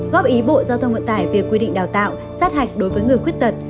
góp ý bộ giao thông vận tải về quy định đào tạo sát hạch đối với người khuyết tật